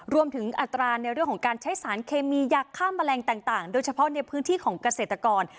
อัตราในเรื่องของการใช้สารเคมียาฆ่าแมลงต่างโดยเฉพาะในพื้นที่ของเกษตรกร